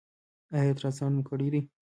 ایا الټراساونډ مو کړی دی؟